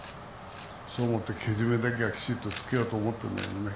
そう思ってけじめだけはきちっとつけようと思ってるんだけどね。